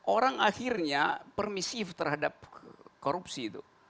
orang akhirnya permisif terhadap korupsi itu